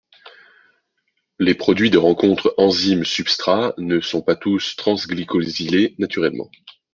Les produits de rencontre enzymes-substrat ne sont pas tous transglycosylés naturellement.